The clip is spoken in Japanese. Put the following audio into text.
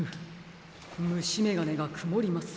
むしめがねがくもりますね。